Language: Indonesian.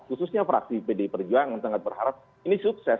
khususnya fraksi pdi perjuangan sangat berharap ini sukses